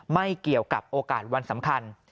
ไม่เกี่ยวกับโอกาสวันสำคัญ